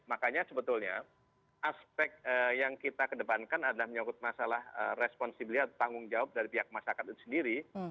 makanya sebetulnya aspek yang kita kedepankan adalah menyangkut masalah responsibilitas beliau atau tanggung jawab dari pihak masyarakat itu sendiri